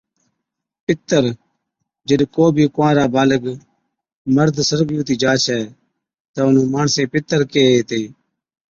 پِتر، جِڏ ڪو بِي ڪُنوارا بالغ (جوان) مرد سرگِي ھُتِي جا ڇَي تہ اونھُون ماڻسين پِتر ڪيھين ھِتين